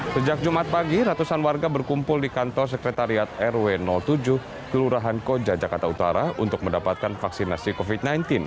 sejak jumat pagi ratusan warga berkumpul di kantor sekretariat rw tujuh kelurahan koja jakarta utara untuk mendapatkan vaksinasi covid sembilan belas